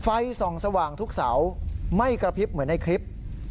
ไฟส่องสว่างทุกเสาไม่กระพริบเหมือนในคลิป